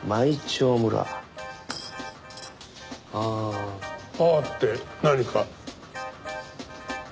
「ああ」って何か？